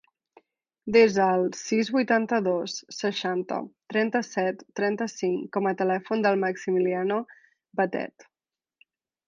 Desa el sis, vuitanta-dos, seixanta, trenta-set, trenta-cinc com a telèfon del Maximiliano Batet.